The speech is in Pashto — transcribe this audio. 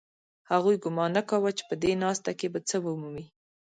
هغوی ګومان نه کاوه چې په دې ناسته کې به څه ومومي